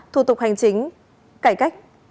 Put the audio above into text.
thủ tục hành chính cải cách